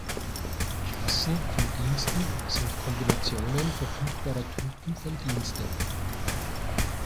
Klassen von Diensten sind Kombinationen verfügbarer Typen von Diensten.